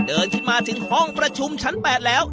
เดินขึ้นมาถึงห้องประชุมชั้น๘แล้ว